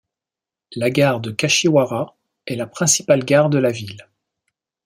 La gare de Kashiwara est la principale gare de la ville.